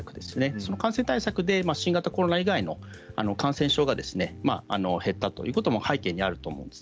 その感染対策で新型コロナ以外の感染症が減ったということも背景にあると思うんです。